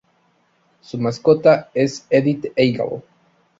Su mascota es "Eddie the Eagle.